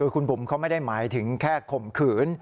คุณบุ๋มเขาไม่ได้หมายถึงแค่ข่มขืน